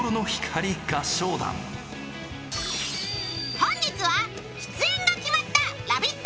本日は、出演が決まったラヴィット！